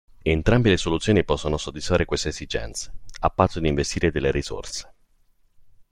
Entrambe le soluzioni possono soddisfare queste esigenze, a patto di investire delle risorse.